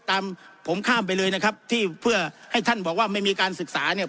ตามผมข้ามไปเลยนะครับที่เพื่อให้ท่านบอกว่าไม่มีการศึกษาเนี่ย